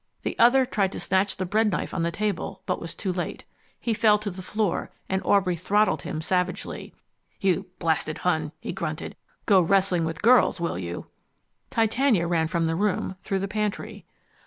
The other tried to snatch the bread knife on the table, but was too late. He fell to the floor, and Aubrey throttled him savagely. "You blasted Hun," he grunted. "Go wrestling with girls, will you?" Titania ran from the room, through the pantry.